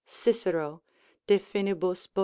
Cicero, De Finibus, ii.